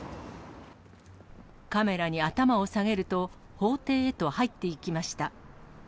カメラに頭を下げると、法廷へと入っていきました。